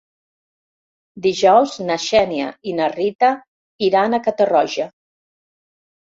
Dijous na Xènia i na Rita iran a Catarroja.